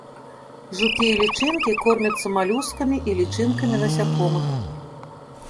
Жукі і лічынкі кормяцца малюскамі і лічынкамі насякомых.